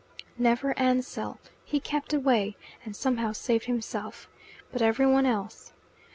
Never Ansell: he kept away, and somehow saved himself. But every one else.